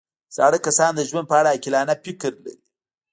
زاړه کسان د ژوند په اړه عاقلانه فکر لري